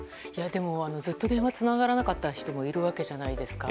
でも、ずっと電話がつながらなかった人もいるわけじゃないですか。